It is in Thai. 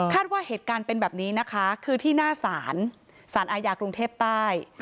ว่าเหตุการณ์เป็นแบบนี้นะคะคือที่หน้าศาลศาลอาญากรุงเทพใต้